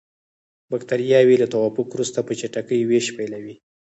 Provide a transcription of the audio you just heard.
بکټریاوې له توافق وروسته په چټکۍ ویش پیلوي.